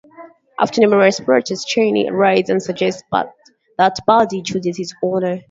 After numerous protests, Chaney arrives and suggests that Buddy chooses his owner.